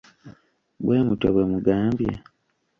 Bwe mutyo bwe mugambye.